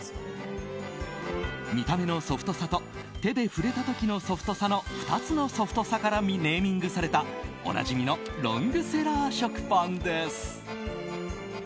見た目のソフトさと手で触れた時のソフトさの２つのソフトさからネーミングされたおなじみのロングセラー食パンです。